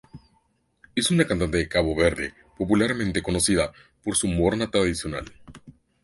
Es una cantante de Cabo Verde, popularmente conocida por su morna tradicional.